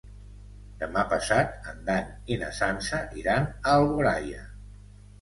Demà passat en Dan i na Sança iran a Alboraia.